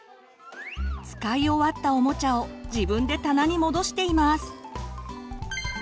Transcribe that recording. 使い終わったおもちゃを自分で棚に戻しています。